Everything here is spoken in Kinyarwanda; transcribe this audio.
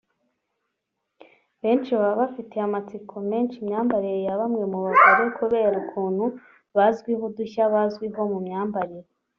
benshi baba bafitiye amatsiko menshi imyambarire ya bamwe mu bagore kubera ukuntu bazwiho udushya bazwiho mu myambarire